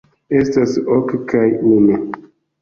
Estas ok, kaj unu.